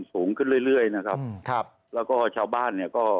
สูงขึ้นเรื่อยแล้วก็ชาวบ้าน